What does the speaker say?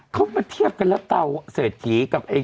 เค้ามาเทียบกันแหละเต๊าเศษถีกับเอง